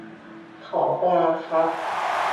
ขอปลาครับ